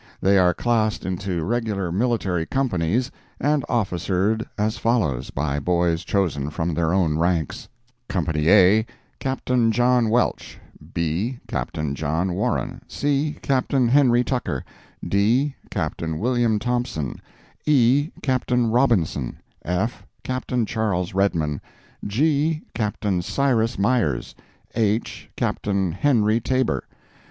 They are classed into regular military companies, and officered as follows, by boys chosen from their own ranks: Company A, Captain John Welch; B, Captain John Warren; C, Captain Henry Tucker; D, Captain William Thompson; E, Captain Robinson; F, Captain Charles Redman; G, Captain Cyrus Myers; H, Captain Henry Tabor.